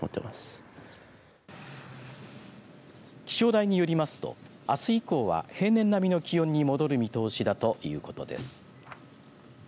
気象台によりますとあす以降は平年並みの気温に戻る見通しだということです。